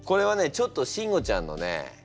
ちょっとシンゴちゃんのね